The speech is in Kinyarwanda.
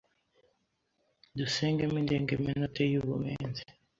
dusengemo indengemenote y’ubumenzi,